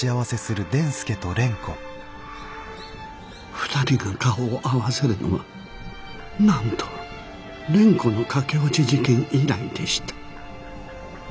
２人が顔を合わせるのはなんと蓮子の駆け落ち事件以来でした。